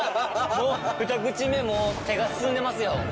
もう２口目も手が進んでますよ。